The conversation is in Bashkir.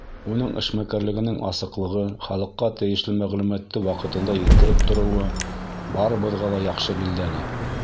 Уның эшмәкәрлегенең асыҡлығы, халыҡҡа тейешле мәғлүмәтте ваҡытында еткереп тороуы барыбыҙға ла яҡшы билдәле.